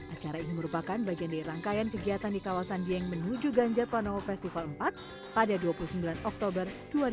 acara ini merupakan bagian dari rangkaian kegiatan di kawasan dieng menuju ganjar pranowo festival empat pada dua puluh sembilan oktober dua ribu dua puluh